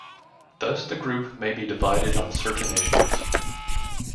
Thus, the Group may be divided on certain issues.